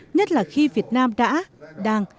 nhất là khi việt nam đã đảng